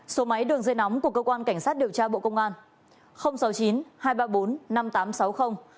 số máy đường dây nóng của cơ quan cảnh sát điều tra bộ công an